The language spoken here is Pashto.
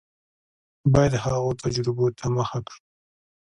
باید هغو تجربو ته مخه کړو.